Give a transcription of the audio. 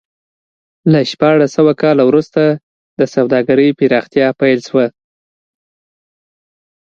له شپاړس سوه کال وروسته د سوداګرۍ پراختیا پیل شو.